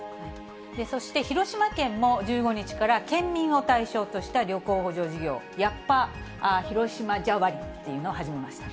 そして広島県も１５日から県民を対象とした旅行補助事業、やっぱ広島じゃ割を始めました。